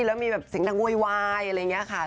แล้วมีแบบเสียงดังโวยวายอะไรอย่างนี้ค่ะ